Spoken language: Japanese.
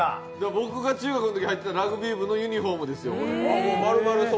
僕が中学のとき入ってたラグビー部のユニフォームですよ。